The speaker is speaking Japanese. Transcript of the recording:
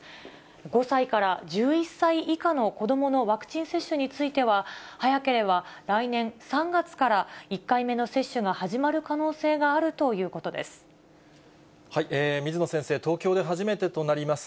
５歳から１１歳以下の子どものワクチン接種については、早ければ来年３月から１回目の接種が始まる可能性があるというこ水野先生、東京で初めてとなります